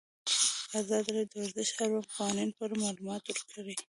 ازادي راډیو د ورزش د اړونده قوانینو په اړه معلومات ورکړي.